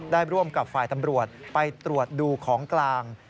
ร่วมกับฝ่ายตำรวจไปตรวจดูของกลาง